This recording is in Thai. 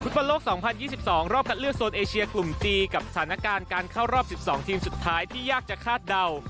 บอลโลก๒๐๒๒รอบคัดเลือกโซนเอเชียกลุ่มจีนกับสถานการณ์การเข้ารอบ๑๒ทีมสุดท้ายที่ยากจะคาดเดา